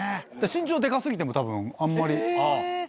身長デカ過ぎても多分あんまり。